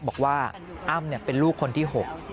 บอกว่าอ้ำเป็นลูกคนที่๖